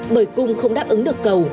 bởi cung không đáp ứng được cầu